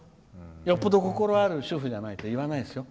よっぽど心ある主婦じゃないと言わないですよ。